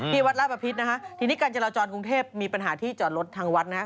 วัดลาบประพิษนะฮะทีนี้การจราจรกรุงเทพมีปัญหาที่จอดรถทางวัดนะครับ